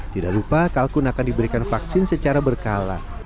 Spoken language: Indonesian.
tidak lupa kalkun akan diberikan vaksin secara berkala